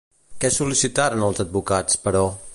Què sol·licitaran els advocats, però?